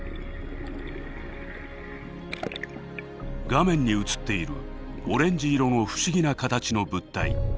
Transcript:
画面に映っているオレンジ色の不思議な形の物体。